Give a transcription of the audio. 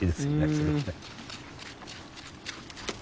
すごくね。